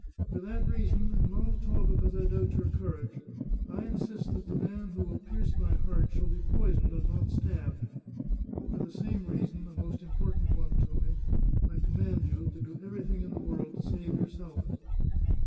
For that reason, and not at all because I doubt your courage, I insist that the man who will pierce my heart shall be poisoned, and not stabbed. For the same reason, a most important one to me, I com mand you to do everything in the world to save yourself."